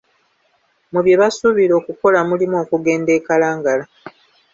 Mu bye basuubira okukola mulimu okugenda e Kalangala.